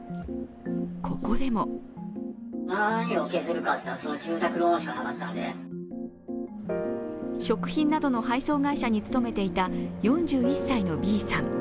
ここでも食品などの配送会社に勤めていた４１歳のＢさん。